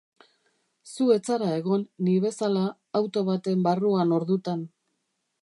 Zu ez zara egon, ni bezala, auto baten barruan ordutan.